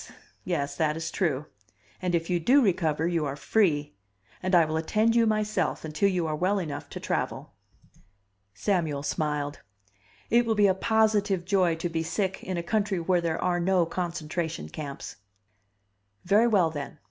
Yes, that is true. And if you do recover, you are free. And I will attend you myself, until you are well enough to travel." Samuel smiled. "It will be a positive joy to be sick in a country where there are no concentration camps!" "Very well, then.